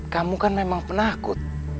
kamu kan memang penakut